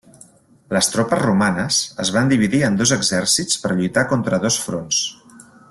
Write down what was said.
Les tropes romanes es van dividir en dos exèrcits per lluitar contra dos fronts.